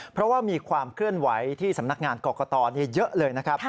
เพราะว่ามีความเคลื่อนไหวที่สำนักงานกรกตเยอะเลยนะครับ